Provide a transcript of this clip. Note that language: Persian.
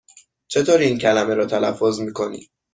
چطور این کلمه را تلفظ می کنی؟